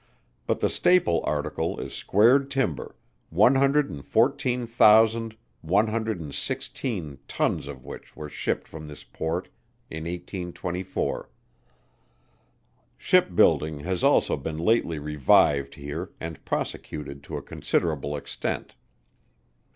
but the staple article is squared timber, one hundred and fourteen thousand one hundred and sixteen tons of which were shipped from this port in 1824. Ship building has also been lately revived here and prosecuted to a considerable extent.